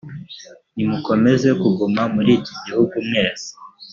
nimukomeze kuguma muri iki gihugu mwese.